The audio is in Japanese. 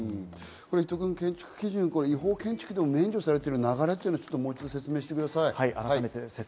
建築基準、違法建築、免除されている流れを説明してください。